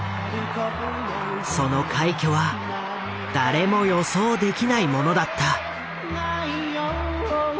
その快挙は誰も予想できないものだった。